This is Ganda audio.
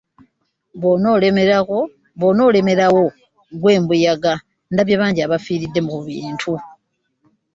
Bwoloremerawo gwe mbuyaga ndabye banji abifiirdde ku bintu .